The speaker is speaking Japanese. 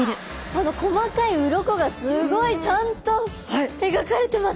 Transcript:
あの細かい鱗がすごいちゃんと描かれてますね。